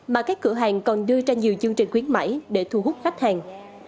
mà các cửa hàng còn đưa ra nhiều chương trình khuyến mãi để thu hút khách hàng